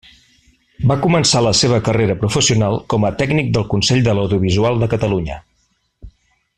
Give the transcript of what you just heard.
Va començar la seva carrera professional com a tècnic del Consell de l'Audiovisual de Catalunya.